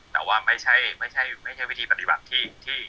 แต่ว่าไม่ใช่ไม่ใช่ไม่ใช่วิธีปฏิบัติที่